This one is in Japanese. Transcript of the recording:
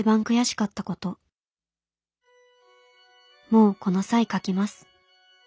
「もうこの際書きます。